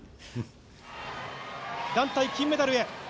団体金メダルへ。